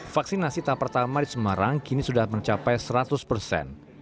vaksinasi tahap pertama di semarang kini sudah mencapai seratus persen